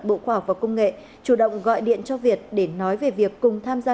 bộ khoa học và công nghệ chủ động gọi điện cho việt để nói về việc cùng tham gia